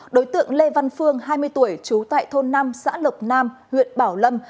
đối tượng lê văn phương hai mươi tuổi trú tại thôn năm xã lộc nam huyện bảo lâm